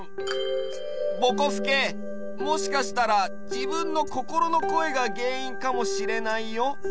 ぼこすけもしかしたらじぶんのこころのこえがげんいんかもしれないよ。